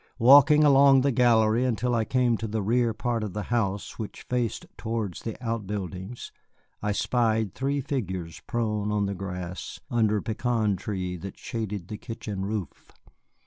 Walking along the gallery until I came to the rear part of the house which faced towards the out buildings, I spied three figures prone on the grass under a pecan tree that shaded the kitchen roof.